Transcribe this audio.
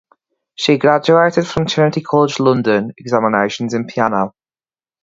She graduated from Trinity College London examinations in piano.